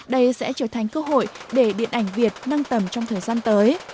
đây sẽ trở thành cơ hội để điện ảnh việt nâng tầm trong thời gian tới